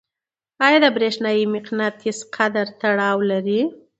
آیا د برېښنايي مقناطیس قدرت تړاو لري؟